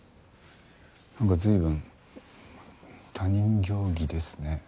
なんか随分他人行儀ですね。